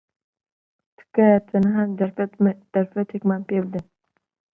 تکایە تەنها دەرفەتێکمان پێ بدەن.